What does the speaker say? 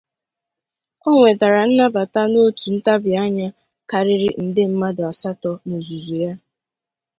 Ọ nwetara nnabata n'otu ntabi anya karịrị nde mmadụ asatọ n'ozuzu ya.